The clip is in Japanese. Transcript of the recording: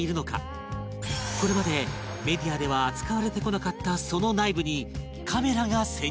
これまでメディアでは扱われてこなかったそのはい。